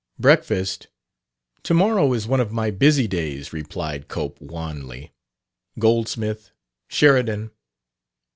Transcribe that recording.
"Breakfast " "To morrow is one of my busy days," replied Cope wanly. "Goldsmith, Sheridan...."